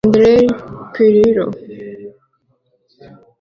Andrea Pirlo